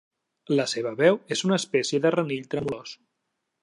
La seva veu és una espècie de renill tremolós.